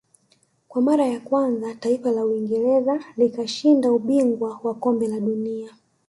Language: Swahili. Kwa mara ya kwanza taifa la Uingereza likashinda ubingwa wa kombe la dunia